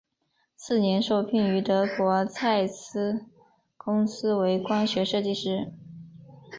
次年受聘于德国蔡司公司为光学设计师。